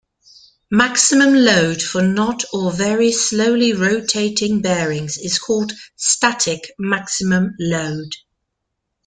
Maximum load for not or very slowly rotating bearings is called "static" maximum load.